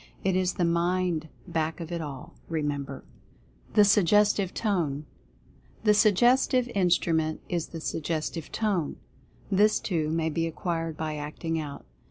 It is the Mind back of it all, remember. THE SUGGESTIVE TONE. The second Suggestive Instrument is the Suggestive Tone. This, too, may be acquired by Acting Out.